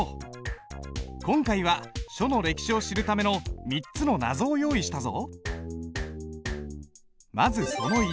今回は書の歴史を知るための３つの謎を用意したぞ。